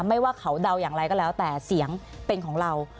ไม่ว่าเขาเดาอย่างไรก็แล้วแต่เสียงเป็นของเรา